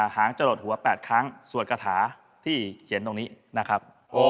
หางจะหลดหัว๘ครั้งสวดกระถาที่เขียนตรงนี้นะครับ